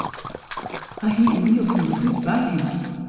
Hy hie in diel fan de bút by him.